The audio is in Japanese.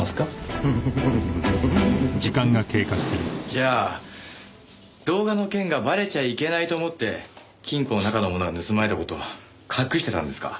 じゃあ動画の件がバレちゃいけないと思って金庫の中のものが盗まれた事を隠してたんですか？